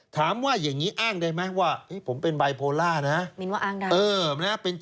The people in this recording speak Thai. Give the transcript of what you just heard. ถามว่าอย่างนี้อ้างได้ไหมว่าผมเป็นบายโพล่านะ